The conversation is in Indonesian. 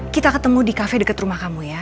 kita ketemu di cafe deket rumah kamu ya